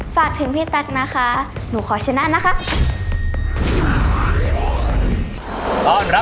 ฝากถึงพี่ตั๊กนะคะหนูขอชนะนะคะ